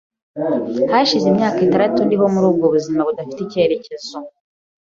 Hashize imyaka itandatu ndiho muri ubwo buzima budafite icyerekezo,